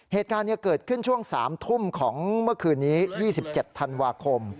เหตุการณ์เกิดขึ้นช่วง๓ทุ่มของเมื่อคืนนี้๒๗ธันวาคม